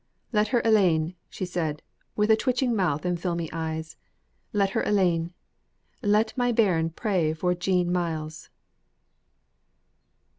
"Let her alane," she said, with a twitching mouth and filmy eyes. "Let her alane. Let my bairn pray for Jean Myles."